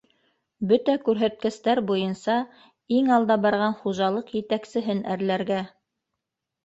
Бөтә күрһәткестәр буйынса иң алда барған хужалыҡ етәксеһен әрләргә...